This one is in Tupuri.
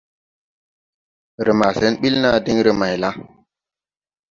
Re ma sen ɓil naa diŋ re mayla? ».